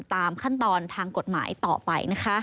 ตามขั้นตอนทางกฎหมายต่อไปนะคะ